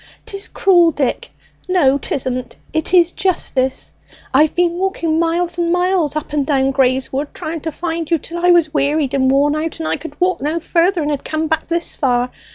'Tis cruel, Dick; no 'tisn't, it is justice! I've been walking miles and miles up and down Grey's Wood, trying to find you, till I was wearied and worn out, and I could walk no further, and had come back this far!